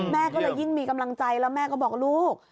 แม่ก็เลยยิ่งมีกำลังใจแล้วแม่ก็บอกลูก